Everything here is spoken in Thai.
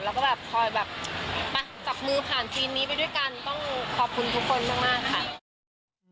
แล้วก็แบบคอยแบบจับมือผ่านซีนนี้ไปด้วยกัน